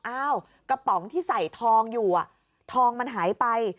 อ้าวกระป๋องที่ใส่ทองอยู่ทองมันหายไป